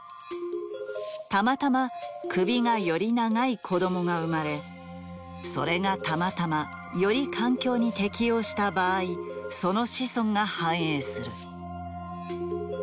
たまたま首がより長い子供が生まれそれがたまたまより環境に適応した場合その子孫が繁栄する。